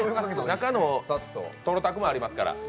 中のとろたくもありますから。